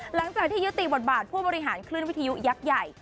หลังจากที่ยุติบทบาทผู้บริหารคลื่นวิทยุยักษ์ใหญ่